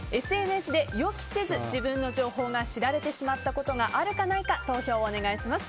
ＳＮＳで予期せず自分の情報が知られてしまったことがあるかないか投票をお願します。